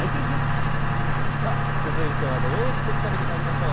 さあ、続いては土曜すてき旅まいりましょう。